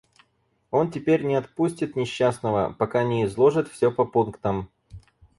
Он теперь не отпустит несчастного, пока не изложит всё по пунктам.